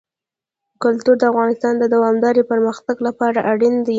کلتور د افغانستان د دوامداره پرمختګ لپاره اړین دي.